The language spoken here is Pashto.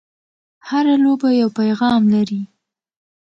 هره لوبه یو پیغام لري.